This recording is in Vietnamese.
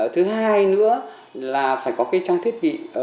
thứ hai nữa là phải có trang thiết bị